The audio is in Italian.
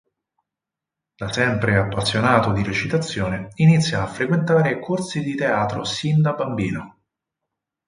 Da sempre appassionato di recitazione inizia a frequentare corsi di teatro sin da bambino.